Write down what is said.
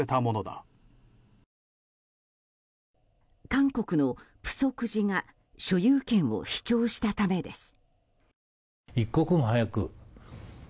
韓国の浮石寺が所有権を主張したためです。